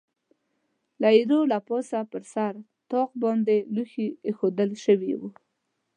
د ایرو له پاسه پر سر طاق باندې لوښي اېښوول شوي و.